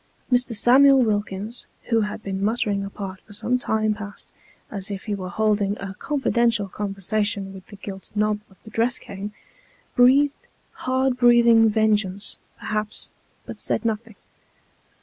Mr. Samuel Wilkins, who had been muttering apart for some time past, as if he were holding a confidential conversation with the gilt knob of tho dress cane, breathed hard breathing vengeance, perhaps, but said nothing.